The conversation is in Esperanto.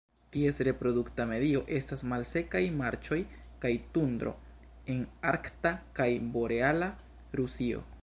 Ties reprodukta medio estas malsekaj marĉoj kaj tundro en arkta kaj boreala Rusio.